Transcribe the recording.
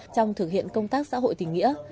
trong thực hiện công tác xã hội tình nghĩa